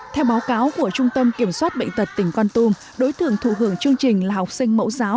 theo báo cáo của trung tâm kiểm soát bệnh tật tỉnh con tum đối tượng thù hưởng chương trình là học sinh mẫu giáo